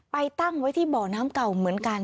ตั้งไว้ที่บ่อน้ำเก่าเหมือนกัน